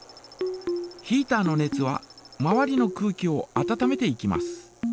ヒータの熱は周りの空気を温めていきます。